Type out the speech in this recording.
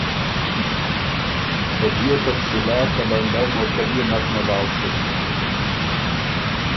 ته بيې تفصیلات ته لنډؤ موقع ليې نک مېلاؤ سُک